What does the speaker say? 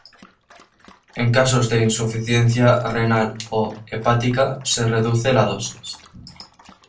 En casos de insuficiencia renal o hepática se reduce la dosis.